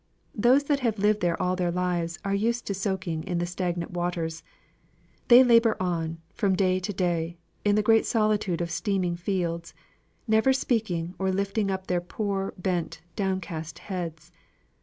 Those that have lived there all their lives, are used to soaking in the stagnant waters. They labour on from day to day, in the great solitude of steaming fields never speaking or lifting up their poor, bent, downcast heads.